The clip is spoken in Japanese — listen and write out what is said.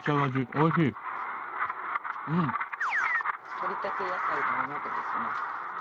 採りたて野菜のお鍋ですね。